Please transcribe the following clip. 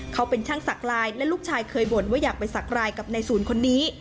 เขาเป็นช่างสักลายและลูกชายเคยบ่นว่าอยากไปสักรายกับในศูนย์คนนี้